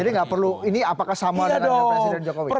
jadi ini apakah sama dengan presiden jokowi